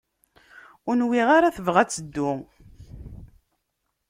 Ur nwiɣ ara tebɣa ad teddu.